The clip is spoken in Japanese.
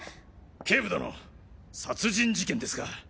警部殿殺人事件ですか！